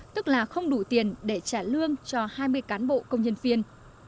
tức là không đủ tiền để trả lương cho hai mươi cán bộ công nhân viên